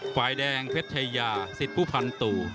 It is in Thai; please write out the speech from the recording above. ฝ่ายแดงเพชรชายาสิทธิ์ผู้พันตู่